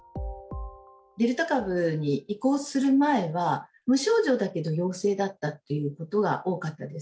デルタ株に移行する前は無症状だけど陽性だったっていうことが多かったです。